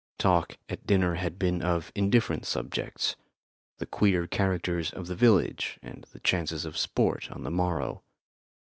Talk at dinner had been of indifferent subjects the queer characters of the village and the chances of sport on the morrow.